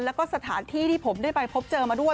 แล้วก็สถานที่ที่ผมได้ไปพบเจอมาด้วย